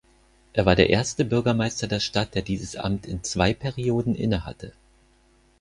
Er war der erste Bürgermeister der Stadt, der dieses Amt in zwei Perioden innehatte.